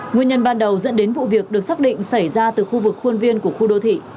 nguyên nhân ban đầu dẫn đến vụ việc được xác định xảy ra từ khu vực khuôn viên của khu đô thị